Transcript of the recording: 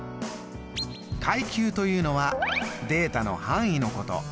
階級というのはデータの範囲のこと。